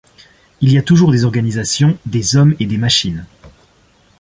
Il y a toujours des organisations, des hommes et des machines.